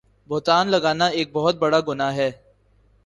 بہتان لگانا ایک بہت بڑا گناہ ہے